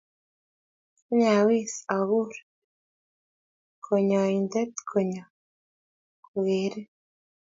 Kany awis akur kanyointe konyo kogerin.